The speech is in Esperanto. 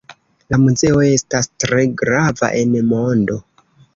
La muzeo estas tre grava en mondo.